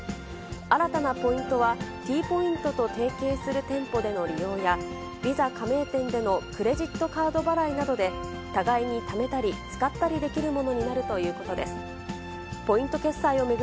新たなポイントは、Ｔポイントと提携する店舗での利用や、Ｖｉｓａ加盟店でのクレジットカード払いなどで、互いにためたり、使ったりできるものになるということです。